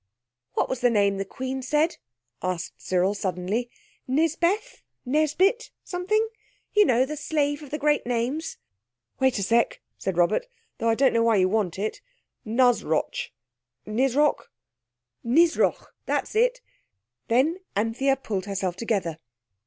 "What was the name the Queen said?" asked Cyril suddenly. "Nisbeth—Nesbit—something? You know, the slave of the great names?" "Wait a sec," said Robert, "though I don't know why you want it. Nusroch—Nisrock—Nisroch—that's it." Then Anthea pulled herself together.